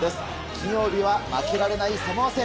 金曜日は負けられないサモア戦。